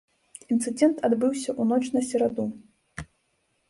Інцыдэнт адбыўся ў ноч на сераду.